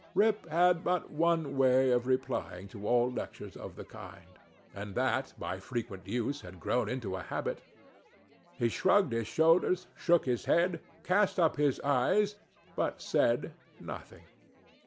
Rip had but one way of replying to all lectures of the kind, and that, by frequent use, had grown into a habit. He shrugged his shoulders, shook his head, cast up his eyes, but said nothing.